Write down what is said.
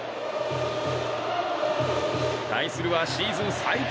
対するはシーズン最多